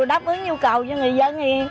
đáp ứng nhu cầu cho người dân